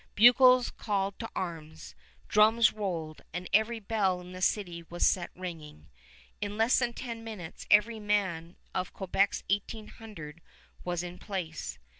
Bugles called to arms, drums rolled, and every bell in the city was set ringing. In less than ten minutes every man of Quebec's eighteen hundred was in place.